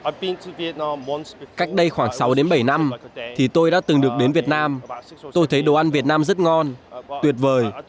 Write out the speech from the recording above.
cách đây khoảng sáu đến bảy năm thì tôi đã từng được đến việt nam tôi thấy đồ ăn việt nam rất ngon tuyệt vời